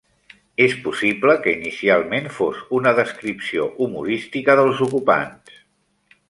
És possible que inicialment fos una descripció humorística dels ocupants.